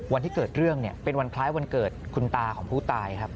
วันที่เกิดเรื่องเนี่ยเป็นวันคล้ายวันเกิดคุณตาของผู้ตายครับ